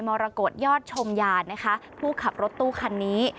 มรกฏยอดชมยานนะคะผู้ขับรถตู้คันนี้